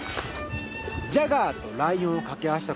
ジャガーとライオンを掛け合わせた交配種